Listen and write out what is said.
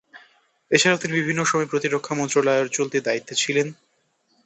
এছাড়াও বিভিন্ন সময়ে প্রতিরক্ষা মন্ত্রণালয়ের চলতি দায়িত্বে ছিলেন।